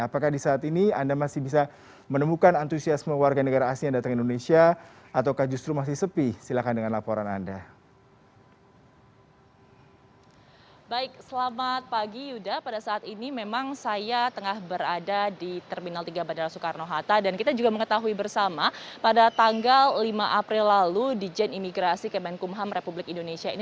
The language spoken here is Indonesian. apakah di saat ini anda masih bisa menemukan antusiasme warga negara asing yang datang ke indonesia